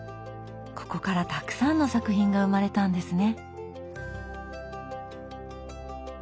ここからたくさんの作品が生まれたんですね。